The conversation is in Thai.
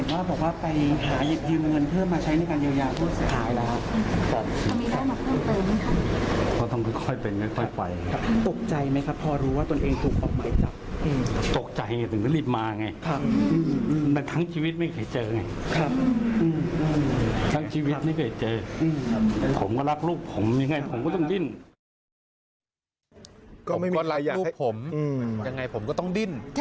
ว่าผมก็รักรูปผมยังไงผมก็ต้องดิ้น